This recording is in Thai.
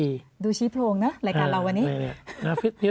คุณซูชิโทรงนะรายการเราวันนี้